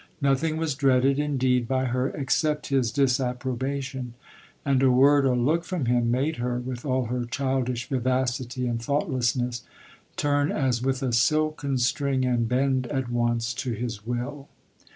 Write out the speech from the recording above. Nothing was dreaded, indeed, by her, except his disapproba tion ; and a word or look from him made her, with all her childish vivacity and thoughtless ness, turn as with a silken string, and bend at once to his will.